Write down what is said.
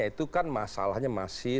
itu kan masalahnya masih